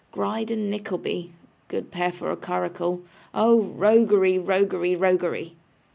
Gride and Nickleby! Good pair for a curricle. Oh roguery! roguery! roguery!